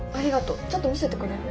ちょっと見せてくれる？